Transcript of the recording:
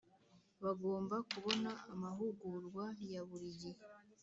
Bagomba kubona amahugurwa ya buri gihe